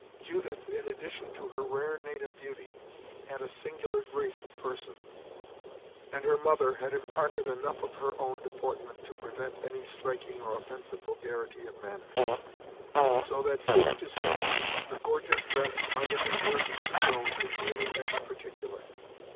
Judith, in addition to her rare native beauty, had a singular grace of person, and her mother had imparted enough of her own deportment to prevent any striking or offensive vulgarity of manner; so that, sooth to say, the gorgeous dress might have been worse bestowed in nearly every particular.